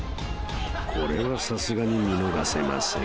［これはさすがに見逃せません］